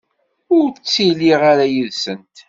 Ur ttiliɣ ara yid-sent.